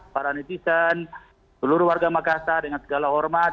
para netizen seluruh warga makassar dengan segala hormat